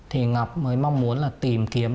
thì ngọc mới mong muốn là tìm kiếm